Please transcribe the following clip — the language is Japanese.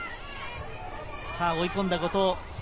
追い込んだ後藤。